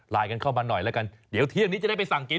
กันเข้ามาหน่อยแล้วกันเดี๋ยวเที่ยงนี้จะได้ไปสั่งกิน